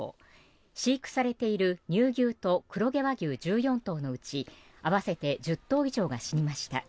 飼育されている乳牛と黒毛和牛１４頭のうち合わせて１０頭以上が死にました。